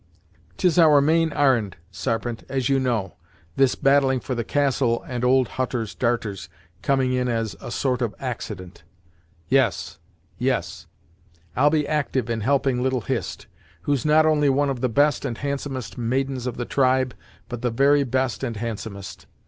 "'Tis our main ar'n'd, Sarpent, as you know, this battling for the castle and old Hutter's darters, coming in as a sort of accident. Yes yes I'll be actyve in helping little Hist, who's not only one of the best and handsomest maidens of the tribe, but the very best and handsomest.